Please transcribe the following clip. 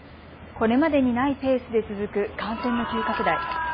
これまでにないペースで続く感染の急拡大。